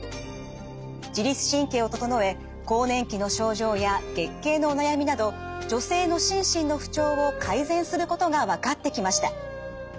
自律神経を整え更年期の症状や月経のお悩みなど女性の心身の不調を改善することが分かってきました。